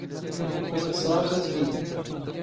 ⵓⵔ ⵜ ⵜⵙⵖⴰⵡⵙⴰⵜ ⴽⵢⵢ.